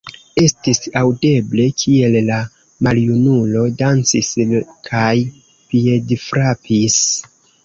Estis aŭdeble, kiel la maljunulo dancis kaj piedfrapis.